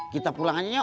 kita pulang aja yuk